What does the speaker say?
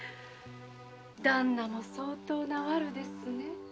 ダンナも相当なワルですね。